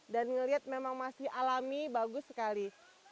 dan melihat memang masih alami bagus sekali